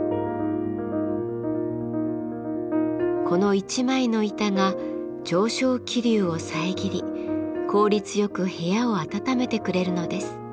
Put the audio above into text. この一枚の板が上昇気流を遮り効率よく部屋を暖めてくれるのです。